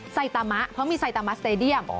ไซตามะเพราะมีไซตามะสเตดียม